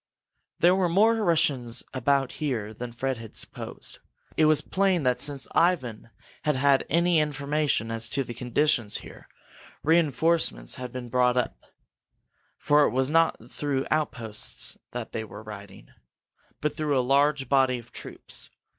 There were more Russians about here than Fred had supposed. It was plain that since Ivan had had any information as to the conditions here, re enforcements had been brought up, for it was not through outposts that they were riding, but through a large body of troops.